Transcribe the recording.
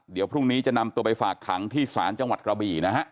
เดี๋ยวพรุ่งนี้จะนำตัวไปฝากขังที่ศาลจังหวัดกระบี่นะฮะ